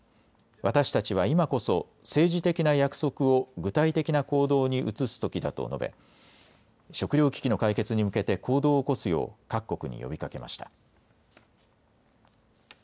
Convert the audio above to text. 私たちは今こそ政治的な約束を具体的な行動に移すときだと述べ、食料危機の解決に向けて行動を起こすよう各国に呼びかけました。